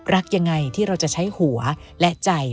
รักยังไงที่เราจะใช้หัวและใจ